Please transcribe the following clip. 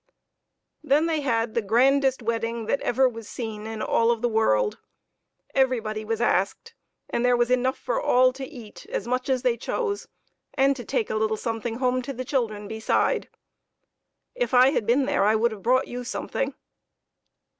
Then they had the grandest wedding that ever was seen in all of the world. Every body was asked, and there was enough for all to eat as much as they chose, and to take a little something home to the children beside. If I had been there I would have brought you something.